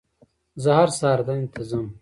زه هر سهار دندې ته ځم